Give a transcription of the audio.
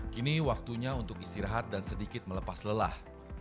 kini waktunya untuk istirahat dan sedikit melepas lelah